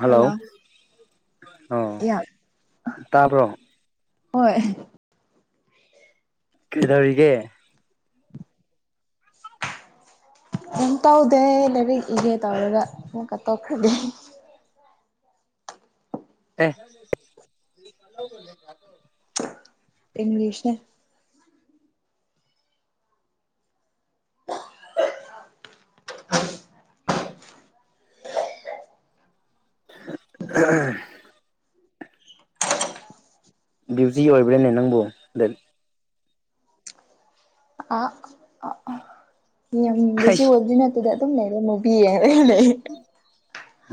hello ꯑꯣ ꯌꯥ ꯇꯥꯕ꯭ꯔꯣ ꯍꯣꯏ ꯀꯩꯗꯧꯔꯤꯒꯦ ꯀꯩꯝ ꯇꯧꯗꯦ ꯂꯥꯏꯔꯤꯛ ꯏꯒꯦ ꯇꯧꯔꯒ ꯑꯃꯨꯛꯀ ꯇꯣꯛꯈ꯭ꯔꯒꯦ ꯑꯦ [unintelligible] ꯏꯪꯂꯤꯁꯅꯦ [unintelligible] [unintelligible] ꯕꯤꯌꯨꯖꯤ ꯑꯣꯏꯕ꯭ꯔꯥꯅꯦ ꯅꯪꯕꯨ ꯂꯠ__ ꯑꯥ ꯑꯥ ꯑꯥ ꯌꯨꯝꯗꯖꯨ ꯑꯩꯁ ꯑꯗꯤꯃꯛ ꯑꯗꯨꯗ ꯑꯗꯨꯝ ꯂꯩꯔꯝꯃꯣ ꯕꯤ ꯌꯦ [unintelligible] ꯂꯩ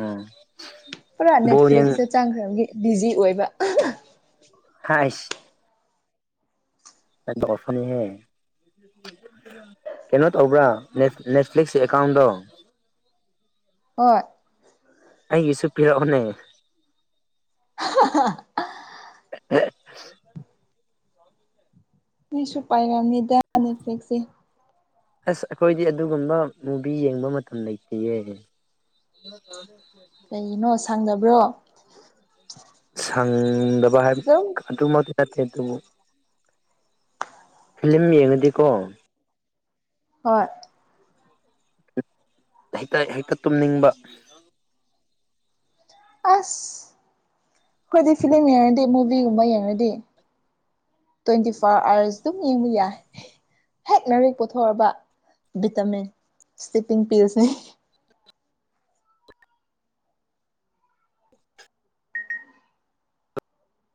ꯑꯥ ꯄꯨꯔꯥ ꯅꯦꯠꯐ꯭ꯂꯤꯛꯁꯁꯦ ꯆꯥꯡꯈ꯭ꯔꯕꯒꯤ ꯕꯤꯖꯤ ꯑꯣꯏꯕ ꯍꯥꯏꯁ ꯍꯦꯠ ꯇꯧꯔꯛꯀꯅꯨꯍꯦ ꯀꯩꯅꯣ ꯇꯧꯕ꯭ꯔꯥ ꯅꯦꯠꯐꯤ ꯅꯦꯠꯐ꯭ꯂꯤꯛꯁ ꯑꯦꯀꯥꯎꯟꯗꯣ ꯍꯣꯏ ꯑꯩꯒꯤꯁꯨ ꯄꯤꯔꯛꯑꯣꯅꯦ [inaudible] ꯎ ꯃꯤꯁꯨ ꯄꯥꯏꯔꯝꯅꯤꯗ ꯅꯦꯠ ꯐ꯭ꯂꯤꯛꯁꯤ ꯑꯁ ꯑꯩꯈꯣꯏꯗꯤ ꯑꯗꯨꯒꯨꯝꯕ ꯃꯨꯚꯤ ꯌꯦꯡꯕ ꯃꯇꯝ ꯂꯩꯇꯤꯌꯦ ꯀꯩꯒꯤꯅꯣ ꯁꯪꯗꯕ꯭ꯔꯣ ꯁꯪꯗꯕ ꯍꯥꯏ ꯑꯗꯨꯝ ꯀꯟ__ ꯇꯨꯝꯃ ꯗꯤ ꯑꯦꯠ ꯑꯦꯠ ꯇꯨꯝꯃꯨ ꯐꯤꯂꯝ ꯌꯦꯡꯉꯗꯤꯀꯣ ꯍꯣꯏ [inaudible] ꯍꯩꯇ ꯍꯦꯛꯇ ꯇꯨꯝꯅꯤꯡꯕ ꯑꯁ ꯑꯩꯈꯣꯏꯗꯤ ꯐꯤꯂꯝ ꯌꯦꯡꯔꯗꯤ ꯃꯨꯚꯤꯒꯨꯝꯕ ꯌꯦꯡꯔꯗꯤ ꯇ꯭ꯋꯦꯟꯇꯤ ꯐꯣꯔ ꯑꯥꯋꯥꯔ꯭ꯁ ꯑꯗꯨꯝ ꯌꯦꯡꯕ ꯌꯥꯏ ꯍꯦꯛ ꯂꯥꯔꯤꯛ ꯄꯨꯊꯣꯛꯔꯕ ꯚꯤꯇꯥꯃꯤꯟ ꯁꯇꯤꯞꯄꯤꯡ ꯄꯤꯜꯁꯅꯤ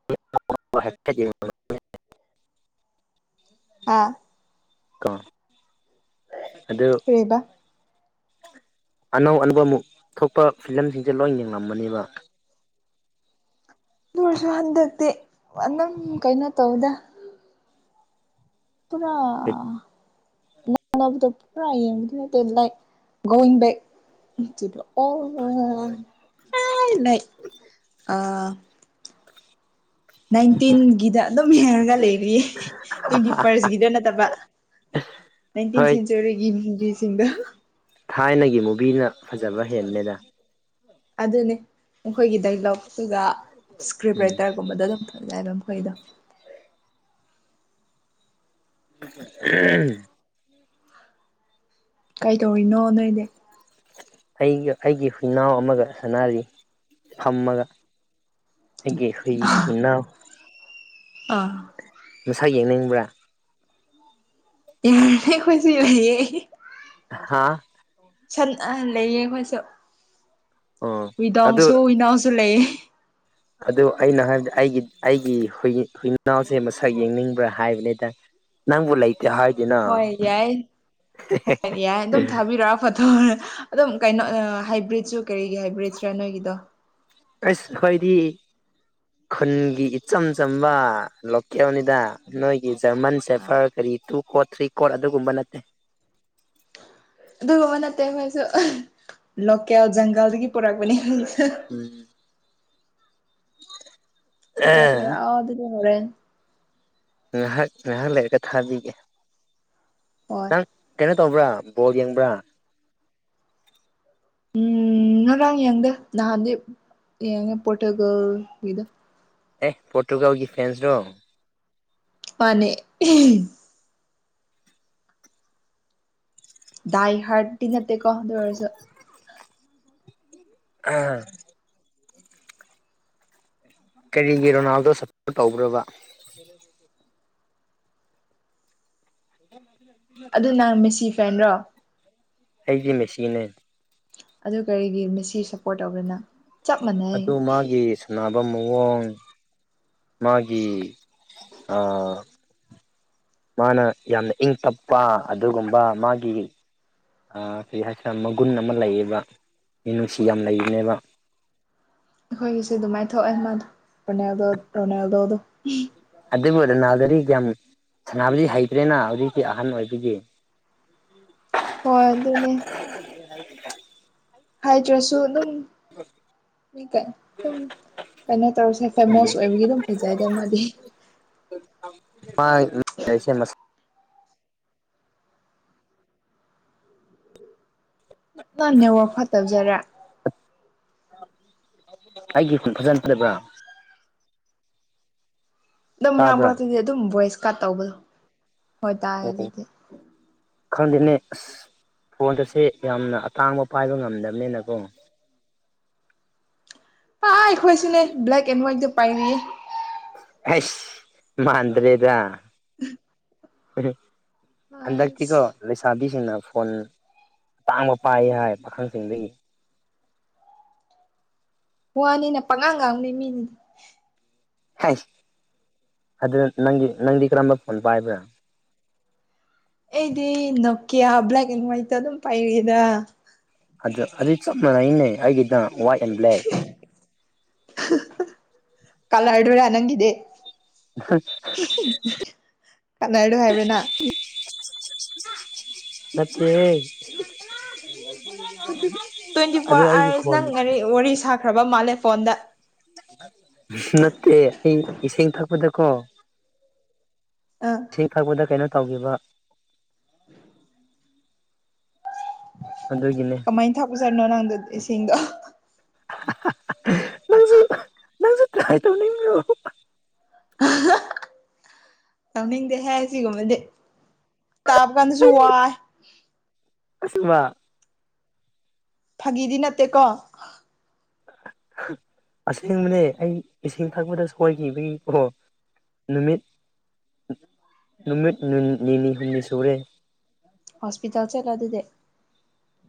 [unintelligible] ꯑꯥ ꯀꯣ ꯑꯗꯨ ꯀꯔꯤꯕ ꯑꯅꯧ ꯑꯅꯧꯕ ꯑꯃꯨꯛ ꯊꯣꯛꯄ ꯐꯤꯂꯝꯖꯤꯡꯖꯦ ꯂꯣꯏ ꯌꯦꯡꯂꯝꯕꯅꯦꯕ ꯗꯨ ꯑꯣꯏꯔꯁꯨ ꯍꯟꯗꯛꯇꯤ ꯑꯗꯨꯝ ꯀꯩꯅꯣ ꯇꯧꯏꯗ ꯄꯨꯔꯥ ꯅꯞ__ ꯑꯅꯧꯕꯗꯣ ꯄꯨꯔꯥ ꯌꯦꯡꯕꯗꯤ ꯅꯠꯇꯦ ꯂꯥꯏꯛ ꯒꯣꯌꯤꯡ ꯕꯦꯛ ꯇꯨꯗꯣ ꯑꯣ ꯍꯣ ꯍꯣ [unintelligible] ꯑꯥꯏ ꯂꯩ [unintelligible] ꯑꯥ ꯅꯥꯏꯟꯇꯤꯟꯒꯤꯗ ꯑꯗꯨꯝ ꯌꯦꯡꯔꯒ ꯂꯩꯔꯤꯌꯦ ꯇ꯭ꯋꯦꯟꯇꯤ ꯐꯥꯔꯁꯒꯤꯗ ꯅꯠꯇꯕ ꯅꯥꯏꯟꯇꯤꯟ ꯍꯣꯏ ꯁꯦꯟꯆꯨꯔꯤꯒꯤ ꯃꯨꯕꯤꯁꯤꯡꯗꯣ ꯊꯥꯏꯅꯒꯤ ꯃꯨꯚꯤꯅ ꯐꯖꯕ ꯍꯦꯟꯕꯅꯤꯗ ꯑꯗꯨꯅꯤ ꯃꯈꯣꯏꯒꯤ ꯗꯥꯏꯂꯣꯛꯇꯨꯒ ꯏꯁꯀ꯭ꯔꯤꯞ ꯎꯝ ꯔꯥꯏꯇꯔꯒꯨꯝꯕꯗꯣ ꯑꯗꯨꯝ ꯊꯝꯂ ꯃꯈꯣꯏꯗꯣ ꯎꯝ ꯀꯩꯗꯧꯔꯤꯅꯣ ꯅꯣꯏꯅꯦ ꯑꯩꯒ ꯑꯩꯒꯤ ꯍꯨꯏꯅꯥꯎ ꯑꯃꯒ ꯁꯅꯔꯤ ꯐꯝꯃꯒ ꯑꯩꯒꯤ ꯍꯨꯏ ꯍꯨꯏꯅꯥꯎ ꯑꯥ ꯃꯁꯛ ꯌꯦꯡꯅꯤꯡꯕ꯭ꯔꯥ ꯌꯥꯔꯦ ꯑꯩꯈꯣꯏꯁꯤ ꯂꯩꯌꯦ ꯍꯥꯥ ꯁꯟ ꯑꯍꯥꯟ ꯂꯩꯌꯦ ꯑꯩꯈꯣꯏꯁꯨ ꯑꯣ ꯑꯗꯨ ꯋꯤꯗꯥꯎꯁꯨ ꯋꯤꯅꯥꯎꯁꯨ ꯂꯩꯌꯦ [inaudible] ꯑꯗꯨ ꯑꯩꯅ ꯍꯥꯏꯕꯗ ꯑꯩꯒꯤ ꯑꯩꯒꯤ ꯍꯨꯏ ꯍꯨꯏꯅꯥꯎꯁꯦ ꯃꯁꯛ ꯌꯦꯡꯅꯤꯡꯕ꯭ꯔꯥ ꯍꯥꯏꯕꯅꯦꯗ ꯅꯪꯕꯨ ꯂꯩ ꯇꯦ ꯍꯥꯏꯗꯦꯅ ꯍꯣꯏ ꯌꯥꯏ ꯍꯣꯏ ꯌꯥꯏ ꯑꯗꯨꯝ ꯊꯥꯕꯤꯔꯛꯑꯣ ꯐꯣꯠꯇꯣ ꯑꯗꯨꯝ ꯀꯩꯅꯣ ꯍꯥꯏꯕ꯭ꯔꯤꯠꯁꯨ ꯀꯔꯤꯒꯤ ꯍꯥꯏꯕ꯭ꯔꯤꯠꯁꯔꯥ ꯅꯣꯏꯒꯤꯗꯣ ꯑꯁ ꯈꯣꯏꯗꯤ ꯈꯨꯟꯒꯤ ꯏꯆꯝ ꯆꯝꯕ ꯂꯣꯀꯦꯜꯅꯤꯗ ꯅꯣꯏꯒꯤ ꯖꯔꯃꯟ ꯑꯥ ꯁꯦꯐꯔ ꯀꯔꯤ ꯇꯨ ꯀꯣꯠ ꯊ꯭ꯔꯤ ꯀꯣꯠ ꯑꯗꯨꯒꯨꯝꯕ ꯅꯠꯇꯦ ꯑꯗꯨꯒꯨꯝꯕ ꯅꯠꯇꯦ ꯑꯩꯈꯣꯏꯁꯨ ꯂꯣꯀꯦꯜ ꯖꯪꯒꯜꯗꯒꯤ ꯄꯨꯔꯛꯄꯅꯦ ꯎꯝ ꯑ ꯐꯣꯇꯣ ꯊꯔꯛꯑꫭ ꯑꯗꯨꯗꯤ ꯍꯣꯔꯦꯟ ꯉꯥꯏꯍꯥꯛ ꯉꯍꯥꯛ ꯂꯩꯔꯒ ꯊꯥꯕꯤꯒꯦ ꯍꯣꯏ ꯅꯪ ꯀꯩꯅꯣ ꯇꯧꯕ꯭ꯔꯥ ꯕꯣꯜ ꯌꯦꯡꯕ꯭ꯔꯥ ꯎꯝ ꯉꯔꯥꯡ ꯌꯦꯡꯗꯦ ꯅꯍꯥꯟꯗꯤ ꯌꯦꯡꯉꯦ ꯄꯣꯔꯇꯨꯒꯜꯒꯤꯗꯣ ꯑꯦ ꯄꯣꯔꯇꯨꯒꯜꯒꯤ ꯐꯦꯟꯁꯔꯣ ꯃꯥꯅꯦ ꯏ ꯗꯥꯏ ꯍ꯭ꯔꯠꯇꯤ ꯅꯠꯇꯦ ꯀꯣ ꯑꯗꯨ ꯑꯣꯏꯔꯁꯨ ꯑꯍꯝ ꯀꯔꯤꯒꯤ ꯔꯣꯅꯥꯜꯗꯣ ꯁꯞꯄꯣꯔꯠ ꯇꯧꯕ꯭ꯔꯥꯕ [inaudible] [inaudible] ꯅꯪꯅ ꯃꯦꯁꯤ ꯐꯦꯟꯔꯣ ꯑꯩꯗꯤ ꯃꯦꯁꯤꯅꯦ ꯑꯗꯨ ꯀꯔꯤꯒꯤ ꯃꯦꯁꯤ ꯁꯞꯄꯣꯔꯠ ꯇꯧꯕꯔ ꯅꯪ ꯑꯗꯨ ꯃꯥꯒꯤ ꯁꯥꯟꯅꯕ ꯃꯑꫭꯡ ꯃꯥꯒꯤ ꯑ ꯃꯥꯅ ꯌꯥꯝꯅ ꯏꯪ ꯇꯞꯄ ꯑꯗꯨꯒꯨꯝꯕ ꯃꯥꯒꯤ ꯑ ꯀꯩ ꯍꯥꯏꯁꯤꯔ ꯃꯒꯨꯟ ꯑꯃ ꯂꯩꯌꯦꯕ ꯃꯤꯅꯨꯡꯁꯤ ꯌꯥꯝ ꯂꯩꯕꯅꯦꯕ ꯑꯩꯈꯣꯏꯒꯤꯁꯨ ꯑꯗꯨꯃꯥꯏꯅ ꯊꯣꯛꯑꯦ ꯃꯥꯗꯣ ꯔꯣꯅꯥꯜꯗꯣ ꯔꯣꯅꯥꯜꯗꯣꯗꯣ ꯑꯗꯨꯕꯨ ꯔꫭꯅꯥꯜꯗꫭꯗꯤ ꯌꯥꯝ ꯁꯥꯟꯅꯕꯗꯤ ꯍꯩꯕꯅꯦꯅꯥ ꯍꯧꯖꯤꯛꯇꯤ ꯑꯍꯟ ꯑꯣꯏꯕꯒꯤ ꯍꯣꯏ ꯑꯗꯨꯅꯦ ꯍꯩꯇ꯭ꯔꯥꯁꯨ ꯑꯗꯨꯝ ꯎꯝ ꯃꯤ ꯀ ꯑꯗꯨꯝ ꯀꯩꯅꯣ ꯇꯧꯔꯁꯦ ꯐꯦꯃꯣꯁ ꯑꯣꯏꯕꯒꯤ ꯑꯗꯨꯝ ꯐꯖꯩꯗ ꯃꯥꯗꯤ [unintelligible] ꯃꯁ ꯅꯪ ꯅꯦꯠꯋꯥꯔꯛ ꯐꯠꯇꯕꯖꯔ ꯑꯩꯒꯤ ꯈꯣꯟ ꯐꯖꯗꯕ꯭ꯔꯥ ꯑꯗꯨꯝ ꯃꯔꯥꯛ ꯇꯥꯕ꯭ꯔꯥ ꯃꯔꯛꯇꯗꯤ ꯑꯗꯨꯝ ꯚꯣꯏꯁ ꯀꯠ ꯇꯧꯕꯗꯣ ꯍꯣꯏꯇꯥꯌꯦ ꯑꯣ ꯍꯧꯖꯤꯛꯇꯤ ꯈꯪꯗꯦꯅꯦ ꯑꯁ ꯐꯣꯟꯒꯁꯦ ꯌꯥꯝꯅ ꯑꯇꯥꯡꯕ ꯄꯥꯏꯕ ꯉꯝꯗꯕꯅꯦꯅꯀꯣ ꯑ ꯑꯩꯈꯣꯏꯁꯨꯅꯦ ꯕ꯭ꯂꯦꯛ ꯑꯦꯟ ꯋꯥ꯭ꯏꯠꯗꫭ ꯄꯥꯏꯔꯤꯌꯦ ꯍꯁ ꯃꯥꯥꯟꯗ꯭ꯔꯦꯗ ꯍꯟꯗꯛꯇꯤꯀꯣ ꯑꯁ ꯂꯩꯁꯥꯕꯤꯁꯤꯡꯅ ꯐꯣꯟ ꯑꯇꯥꯡꯕ ꯄꯥꯏ ꯍꯥꯏ ꯄꯥꯈꯪꯁꯤꯡꯗꯒꯤ ꯋꯥꯅꯤꯅ ꯄꯪꯉꯥꯡ ꯉꯥꯡ ꯃꯤꯅꯤ ꯍꯥꯏ ꯑꯗꯨ ꯅꯪꯒꯤ ꯅꯪꯗꯤ ꯀꯔꯝꯕ ꯐꯣꯟ ꯄꯥꯏꯕ꯭ꯔ ꯑꯩꯗꯤ ꯅꯣꯀꯤꯌꯥ ꯕ꯭ꯂꯦꯛ ꯑꯦꯟ ꯋꯥꯏꯠꯇ ꯑꯗꯨꯝ ꯄꯥꯏꯔꯛꯑꯦꯗ ꯑꯗꯨ ꯑꯗꯨ ꯆꯞ ꯃꯥꯟꯅꯩꯅꯦ ꯑꯩꯒꯤꯗ ꯋꯥꯏꯠ ꯑꯦꯟ ꯕ꯭ꯂꯦꯛ ꯀꯂꯔꯗꯨꯔ ꯅꯪꯒꯤꯗꯤ ꯀꯠꯅꯔꯗꯣ ꯍꯥꯏꯕ꯭ꯔꯥ ꯅꯪ [unintelligible] ꯅꯠꯇꯦ ꯇ꯭ꯋꯦꯟꯇꯤ ꯐꯣꯔ ꯑꯥꯋꯔꯁ ꯅꯪ ꯉꯔꯤ ꯋꯥꯔꯤ ꯁꯥꯈ꯭ꯔꯕ ꯃꯥꯜꯂꯦ ꯐꯣꯟꯗ ꯅꯠꯇꯦ ꯑꯩ ꯏꯁꯤꯡ ꯊꯛꯄꯗꯀꯣ ꯑꯥ ꯏꯁꯤꯡ ꯊꯛꯄꯗ ꯀꯩꯅꯣ ꯇꯧꯈꯤꯕ ꯑꯗꯨꯒꯤꯅꯦ ꯀꯃꯥꯏꯅ ꯊꯛꯄꯖꯥꯠꯅꯣ ꯅꯪꯗꯣ ꯏꯁꯤꯡꯗꯣ ꯅꯪꯁꯨ ꯅꯪꯁꯨ ꯇ꯭ꯔꯥꯏ ꯇꯧꯅꯤꯡꯕꯔꯣ ꯇꯧꯅꯤꯡꯗꯦꯍꯦ ꯁꯤꯒꯨꯝꯕꯗꯤ ꯇꯥꯕ ꯀꯥꯟꯗꯁꯨ ꯋꯥꯏ ꯑꯁꯦꯡꯕ ꯐꯥꯒꯤꯗꯤ ꯅꯠꯇꯦꯀꯣ ꯑꯁꯦꯡꯕꯅꯦ ꯑꯩ ꯏꯁꯤꯡ ꯊꯛꯄꯗ ꯁꯣꯏꯈꯤꯕꯒꯤꯀꯣ ꯅꯨꯃꯤꯠ ꯅꯨꯃꯤꯠ ꯅꯤꯅꯤ ꯍꯨꯝꯅꯤ ꯁꯨꯔꯦ ꯍꯣꯁꯄꯤꯇꯥꯜ ꯆꯠꯂꯣ ꯑꯗꯨꯗꯤ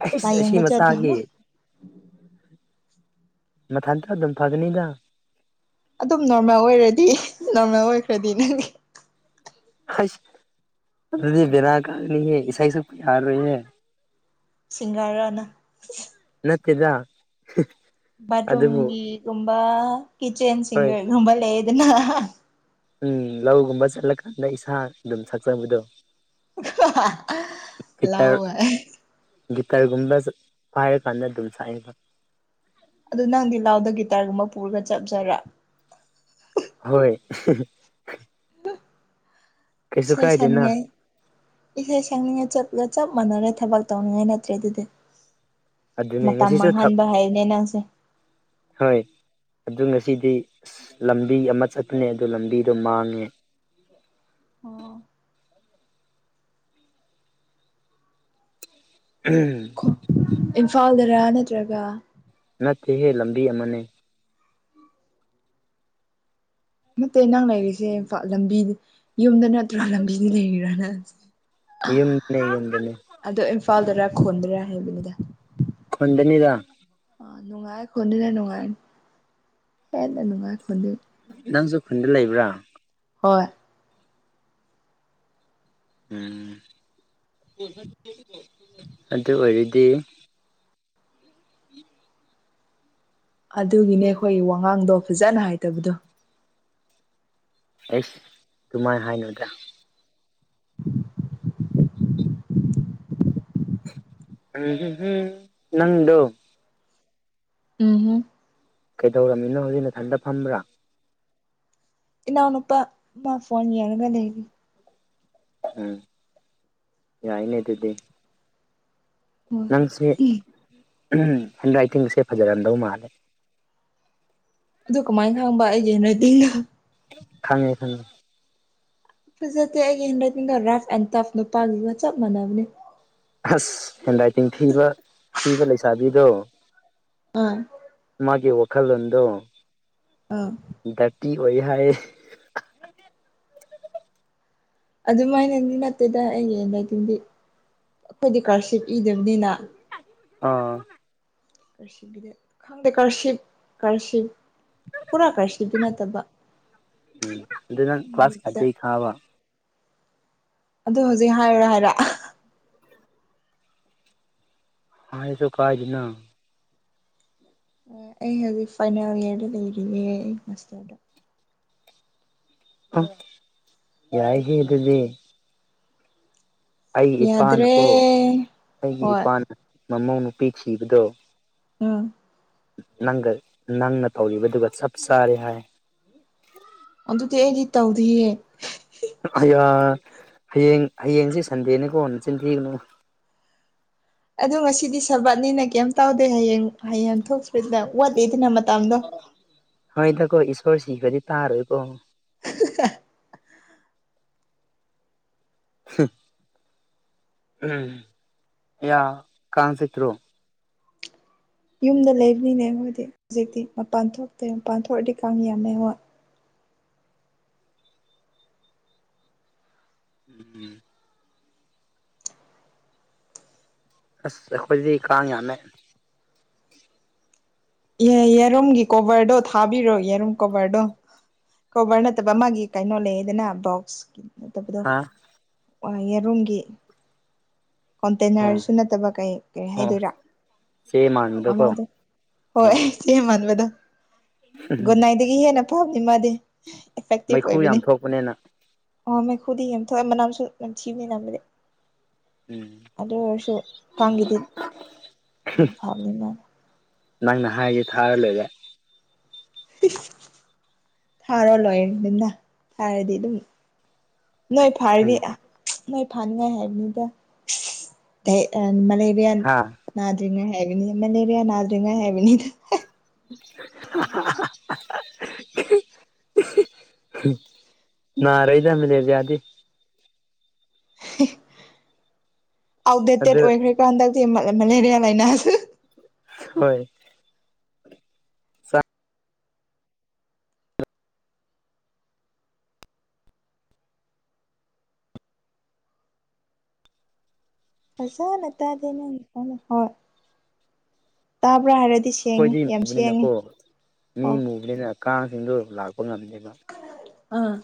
ꯑꯩꯁ ꯑꯁꯤ ꯂꯥꯏꯌꯦꯡꯕ ꯃꯆꯥꯥꯒꯤ ꯆꯠꯂꯣ ꯃꯊꯟꯇ ꯑꯗꯨꯝ ꯐꯒꯅꯤꯗ ꯑꯗꯨꯝ ꯅꯣꯔꯃꯦꯜ ꯑꯣꯏꯔꯗꯤ ꯅꯣꯔꯃꯦꯜ ꯑꯣꯏꯈ꯭ꯔꯗꯤ ꯅꯪꯒꯤ ꯑꯩꯁ ꯑꯗꯨꯗꯤ ꯕꯦꯔꯥ ꯀꯥꯒꯅꯤꯍꯦ ꯏꯁꯩ ꯁꯛꯄ ꯌꯥꯔꯣꯏꯍꯦ ꯁꯤꯡꯒꯔꯔ ꯅꯪ ꯅꯠꯇꯦꯗ ꯑꯗꯨꯕꯨ ꯕꯥꯠꯔꯨꯝꯒꯤꯒꯨꯝꯕ ꯀꯤꯠꯆꯟ ꯍꯣꯏ ꯁꯤꯡꯒꯔꯒꯨꯝꯕ ꯂꯩꯗꯅ ꯎꯝ ꯂꯧꯒꯨꯝꯕ ꯆꯠꯂꯀꯥꯟꯗ ꯏꯁꯥ ꯑꯗꯨꯝ ꯁꯛꯆꯕꯗꯣ ꯂꯧ ꯒꯤꯇꯔ ꯍꯥꯏ ꯒꯤꯇꯔꯒꯨꯝꯕ ꯄꯥꯏꯔ ꯀꯥꯟꯗ ꯑꯗꯨꯝ ꯁꯛꯑꯦꯕ ꯑꯗꯨ ꯅꯪꯗꯤ ꯂꯧꯗ ꯒꯤꯇꯥꯔꯒꯨꯝꯕ ꯄꯨꯔꯒ ꯆꯞ ꯆꯥꯔꯦ ꯍꯣꯏ ꯀꯩꯁꯨ ꯏꯁꯩ ꯀꯥꯏꯗꯦꯅ ꯁꯛꯅꯤꯡꯉꯦ ꯏꯁꯩ ꯁꯛꯅꯤꯡꯉꯦ ꯆꯠꯂꯒ ꯆꯞ ꯃꯥꯟꯅꯔꯦ ꯊꯕꯛ ꯇꯧꯅꯤꯡꯉꯥꯏ ꯅꯠꯇ꯭ꯔꯦ ꯑꯗꯨꯗꯤ ꯑꯗꯨꯅꯦ ꯃꯇꯝ ꯉꯁꯤꯁꯨ ꯊꯛ ꯃꯥꯡꯍꯟꯕ ꯍꯩꯅꯦ ꯅꯪꯁꯦ ꯍꯣꯏ ꯑꯗꯨ ꯉꯁꯤꯗꯤ ꯑꯁ ꯂꯝꯕꯤ ꯑꯃ ꯆꯠꯄꯅꯦ ꯑꯗꯨ ꯂꯝꯕꯤꯗꯣ ꯃꯥꯡꯉꯦ ꯑꯣ ꯑꯣ ꯎꯝ ꯏꯝꯐꯥꯜꯗꯔ ꯅꯠꯇ꯭ꯔꯒ ꯅꯠꯇꯦꯍꯦ ꯂꯝꯕꯤ ꯑꯃꯅꯦ ꯅꯠꯇꯦ ꯅꯪ ꯂꯩꯔꯤꯁꯦ ꯂꯝꯕꯤ ꯌꯨꯝꯗ ꯅꯠꯇ꯭ꯔ ꯂꯝꯕꯤꯗ ꯂꯩꯔꯤꯔ ꯅꯡ ꯌꯨꯝꯗꯅꯦ ꯌꯨꯝꯗꯅꯦ ꯑꯗꯣ ꯏꯝꯐꯥꯜꯗꯔ ꯈꯨꯟꯗꯔ ꯍꯥꯏꯕꯅꯤꯗ ꯈꯨꯟꯗꯅꯤꯗ ꯑꯥ ꯅꯨꯡꯉꯥꯏ ꯈꯨꯟꯗꯅꯥ ꯅꯨꯡꯉꯥꯏ ꯍꯦꯟꯅ ꯅꯨꯡꯉꯥꯏ [unintelligible] ꯅꯪꯖꯨ ꯈꯨꯟꯗ ꯂꯩꯕ꯭ꯔꯥ ꯍꯣꯏ ꯎꯝ ꯑꯗꯨ ꯑꯣꯏꯔꯗꯤ ꯑꯗꯨꯒꯤꯅꯦ ꯑꯩꯈꯣꯏ ꯋꯥꯉꯥꯡꯗꯣ ꯐꯖꯅ ꯍꯥꯏꯗꯕꯗꯣ ꯑꯩꯁ ꯑꯗꯨꯨꯃꯥꯏ ꯍꯥꯏꯅꯨꯗ [unintelligible] ꯅꯪꯗꯨ ꯎꯝ [unintelligible] ꯀꯩꯗꯧꯔꯝꯃꯤꯅꯣ ꯍꯧꯖꯤꯛ ꯅꯊꯟꯇꯥ ꯐꯝꯕ꯭ꯔꯥ ꯏꯅꯥꯎ ꯅꯨꯄꯥ ꯃꯥ ꯐꯣꯟ ꯌꯦꯡꯉꯒ ꯂꯩꯔꯤ ꯎꯝ ꯌꯥꯏꯅꯦ ꯗꯨꯗꯤ ꯍꯣꯏ ꯁꯤ ꯍꯦꯟ ꯔꯥꯏꯇꯤꯡꯁꯦ ꯐꯖꯔꯝꯗꯧ ꯃꯥꯜꯂꯦ ꯑꯗꯨ ꯀꯃꯥꯏꯟ ꯈꯪꯕ ꯑꯩꯒꯤ ꯍꯦꯟ ꯔꯥꯏꯇꯤꯡꯗꯨ ꯈꯪꯉꯦ ꯈꯪꯉꯦ ꯐꯖꯇꯦ ꯑꯩꯒꯤ ꯍꯦꯟ ꯔꯥꯏꯇꯤꯡꯗꯣ ꯔꯐ ꯑꯦꯟ ꯇꯐ ꯅꯨꯄꯥꯒꯤꯗꯨꯒ ꯆꯞ ꯃꯥꯟꯅꯕꯅꯤ ꯑꯁ ꯍꯦꯟ ꯔꯥꯏꯇꯤꯡ ꯊꯤꯕ ꯊꯤꯕ ꯂꯩꯁꯥꯕꯤꯗꯨ ꯑꯥ ꯃꯥꯒꯤ ꯋꯥꯈꯜꯂꯣꯟꯗꯨ ꯑꯥ ꯗ꯭ꯔꯇꯤ ꯑꯣꯏ ꯍꯥꯏ ꯑꯗꯨꯃꯥꯏꯅꯗꯤ ꯅꯠꯇꯦꯗ ꯑꯩꯒꯤ [unintelligible] ꯗꯤ ꯑꯩꯈꯣꯏꯗꯤ ꯀꯔꯁꯤꯞ ꯏꯗꯕꯅꯤꯅ ꯑꯥ ꯀꯔꯁꯤꯞꯒꯤꯗ ꯈꯪꯗꯦ ꯀꯔꯁꯤꯞ ꯀꯔꯁꯤꯞ ꯄꯨꯔꯥ ꯀꯔꯁꯤꯞꯇꯤ ꯅꯠꯇꯕ ꯎꯝ ꯑꯗꯨ ꯅꯪ ꯀ꯭ꯂꯥꯁ [unintelligible] ꯃꯤꯛꯁꯇ ꯈꯪꯉꯕ ꯑꯗꯨ ꯍꯧꯖꯤꯛ ꯍꯥꯏꯔꯨꯔꯥ ꯍꯥꯏꯔ ꯍꯥꯏꯔꯁꯨ ꯀꯥꯏꯗꯦꯅ ꯑꯩ ꯍꯧꯖꯤꯛ ꯐꯥꯏꯅꯦꯜ ꯏꯌꯔꯗ ꯂꯩꯔꯤꯌꯦ ꯑꯩ ꯃꯥꯁꯇꯔꯗ ꯑꯥ ꯌꯥꯏꯍꯦ ꯑꯗꯨꯗꯤ ꯑꯩꯒꯤ ꯌꯥꯗ꯭ꯔꯦ ꯏꯄꯥꯅꯀꯣ ꯑꯩꯒꯤ ꯍꯣꯏ ꯏꯄꯥꯅ ꯃꯃꯧ ꯅꯨꯨꯄꯤ ꯊꯤꯕꯗꯣ ꯎꯝ ꯅꯪꯒ ꯅꯪꯅ ꯇꯧꯔꯤꯕꯗꯨꯒ ꯆꯞ ꯆꯥꯔꯦ ꯍꯥꯏ ꯑꯗꯨꯗꯤ ꯑꯩꯗꯤ ꯇꯧꯗꯦꯍꯦ [unintelligible] ꯍꯌꯦꯡ ꯍꯌꯦꯡꯁꯦ ꯁꯟꯗꯦꯅꯦꯀꯣ ꯅꯆꯤꯟ ꯊꯤꯒꯅꯨ ꯑꯗꯨ ꯉꯁꯤꯗꯤ ꯁꯔꯕꯥꯠꯅꯤꯅ ꯀꯩꯝ ꯇꯧꯗꯦ ꯍꯌꯦꯡ ꯍꯌꯦꯡ ꯊꯣꯛꯇ꯭꯭ꯔꯦꯗꯅ ꯋꯥꯠꯂꯤꯗꯅ ꯃꯇꯝꯗꯣ ꯍꯣꯏꯗꯀꯣ ꯏꯁꯋꯣꯔ ꯁꯤꯕꯗꯤ ꯇꯥꯔꯣꯏꯀꯣ [unintelligible] [unintelligible] ꯎꯝ ꯌꯥ ꯀꯥꯡ ꯆꯤꯛꯇ꯭ꯔꯣ ꯌꯨꯝꯗ ꯂꯩꯕꯅꯤꯅꯦ ꯑꯩꯈꯣꯏꯗꯤ ꯍꯧꯖꯤꯛꯇꯤ ꯃꯄꯥꯟ ꯊꯣꯛꯇ꯭ꯔꯦ ꯃꯄꯥꯟ ꯊꯣꯛꯑꯗꯤ ꯀꯥꯡ ꯌꯥꯝꯃꯦ ꯍꯣꯏ [unintelligible] ꯑꯁ ꯑꯩꯈꯣꯏꯗꯤ ꯀꯥꯡ ꯌꯥꯝꯃꯦ ꯌꯦ ꯌꯦꯔꯨꯝꯒꯤ ꯀꯣꯕꯔꯗꯣ ꯊꯥꯕꯤꯔꯣ ꯌꯦꯔꯨꯝ ꯀꯣꯕꯔꯗꯣ ꯀꯣꯕꯔ ꯅꯠꯇꯕ ꯃꯥꯒꯤ ꯀꯩꯅꯣ ꯂꯩꯌꯦꯗꯅ ꯕꯣꯛꯁ ꯅꯠꯇꯕꯗꯣ ꯍꯥ [unintelligible] ꯌꯦꯔꯨꯝꯒꯤ ꯑꯣ ꯀꯣꯟꯇꯦꯅꯔꯁꯨ ꯅꯠꯇꯕ ꯀꯩ ꯀꯔꯤ ꯑꯣ ꯍꯥꯏꯗꯣꯏꯔꯥ ꯆꯦ ꯃꯥꯟꯕꯗꯣꯀꯣ ꯑꯃꯗꯨ ꯍꯣꯏ ꯆꯦ ꯃꯥꯟꯕꯗꯨ ꯒꯨꯗꯅꯥꯏꯗ ꯒꯤ ꯍꯦꯟꯅ ꯐꯕꯅꯤ ꯃꯥꯗꯤ ꯏꯐꯦꯛꯇꯤꯞ ꯃꯩꯈꯨ ꯑꯣꯏꯕꯅꯤ ꯌꯥꯝ ꯊꯣꯛꯄꯅꯤꯅ ꯍꯥ ꯃꯩꯈꯨꯗꯤ ꯌꯥꯝ ꯊꯣꯛꯑꯦ ꯃꯅꯥꯝꯁꯨ ꯅꯝꯊꯤꯕꯅꯤ ꯅꯕꯗꯤ ꯎꯝ ꯑꯗꯨ ꯑꯣꯏꯔꯁꯨ ꯀꯥꯡꯒꯤꯗꯤ ꯌꯥꯝ ꯐꯕꯅꯤ ꯃꯥ ꯅꯪꯅ ꯍꯥꯏꯔꯗꯤ ꯊꯥꯔ ꯂꯣꯏꯔꯦ ꯊꯥꯔꯣ ꯂꯣꯏꯔꯗꯅ ꯊꯥꯔꯗꯤ ꯑꯗꯨꯝ ꯅꯣꯏ ꯐꯥꯔꯅꯤ ꯅꯣꯏ ꯐꯥꯅꯤꯡꯉꯥꯏ ꯍꯥꯏꯕꯅꯤꯗ ꯀꯩ ꯑꯥ ꯃꯦꯂꯦꯔꯤꯌꯥꯟ ꯍꯥ ꯅꯥꯗ꯭ꯔꯤꯉꯥꯏ ꯍꯥꯏꯕꯤꯅꯤ ꯃꯂꯦꯔꯤꯌꯥ ꯅꯥꯗ꯭ꯔꯤꯉꯥꯏ ꯍꯥꯏꯕꯅꯤꯗ [unintelligible] ꯅꯥꯔꯦꯗ ꯃꯦꯂꯦꯔꯤꯌꯥꯗꯤ ꯑꯥꯎꯠꯗꯦꯇꯦꯠ ꯑꯗꯨ ꯑꯣꯏꯈ꯭ꯔꯦꯀꯣ ꯍꯟꯗꯛꯇꯤ ꯃꯥ ꯃꯦꯂꯦꯔꯤꯌꯥ ꯂꯥꯏꯅꯥꯁꯤ ꯍꯣꯏ ꯐꯖꯥꯅ ꯇꯥꯗꯦ ꯅꯪ [unintelligible] ꯍꯣꯏ ꯇꯥꯕ꯭ꯔꯥ ꯍꯥꯏꯔꯗꯤ ꯁꯤ ꯁꯦꯡꯉꯦ ꯌꯥꯝ ꯁꯦꯡꯉꯦ [unintelligible] ꯀꯥꯡꯁꯤꯡꯗꯨ ꯂꯥꯛꯄ ꯉꯝꯗꯦꯕ ꯑꯥ